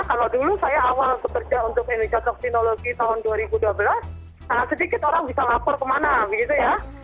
kalau dulu saya awal bekerja untuk indonesia toxinology tahun dua ribu dua belas sedikit orang bisa lapor kemana begitu ya